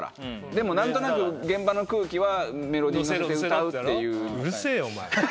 でも何となく現場の空気はメロディー乗せて歌うっていう。